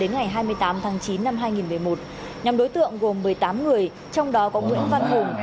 nhóm đối tượng gồm một mươi tám người trong đó có nguyễn văn hùng